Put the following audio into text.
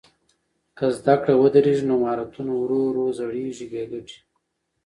که زده کړه ودرېږي نو مهارتونه ورو ورو زړېږي بې ګټې.